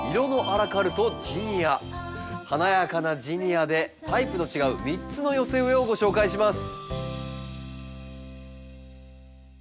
華やかなジニアでタイプの違う３つの寄せ植えをご紹介します。